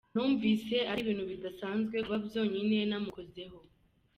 Numvise ari ibintu bidasanzwe kuba byonyine namukozeho.